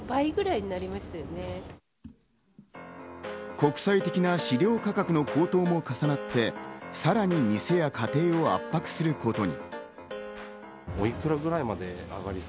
国際的な飼料価格の高騰も重なって、さらに店や家庭を圧迫することに。